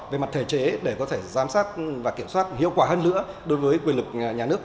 về mặt thể chế để có thể giám sát và kiểm soát hiệu quả hơn nữa đối với quyền lực nhà nước